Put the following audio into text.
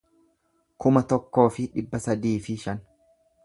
kuma tokkoo fi dhibba sadii fi shan